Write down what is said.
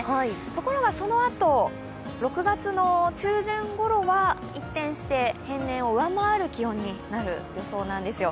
ところが、そのあと、６月の中旬ごろは一転して平年を上回る気温になる予想なんですよ。